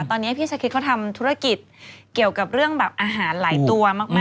ตอนนี้พี่ชะคริสเขาทำธุรกิจเกี่ยวกับเรื่องแบบอาหารหลายตัวมาก